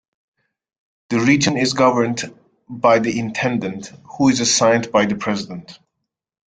The region is governed by the intendant, who is assigned by the president.